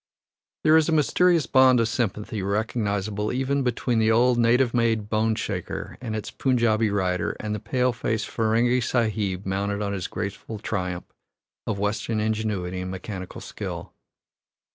There is a mysterious bond of sympathy recognizable even between the old native made bone shaker and its Punjabi rider and the pale faced Ferenghi Sahib mounted on his graceful triumph of Western ingenuity and mechanical skill.